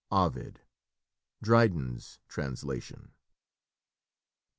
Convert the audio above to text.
Ovid (Dryden's translation).